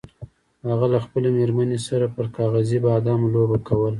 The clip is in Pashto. هغه له خپلې میرمنې سره پر کاغذي بادامو لوبه کوله.